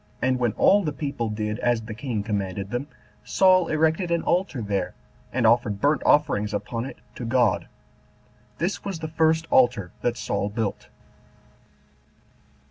And when all the people did as the king commanded them, Saul erected an altar there, and offered burnt offerings upon it to God 14 This was the first altar that Saul built.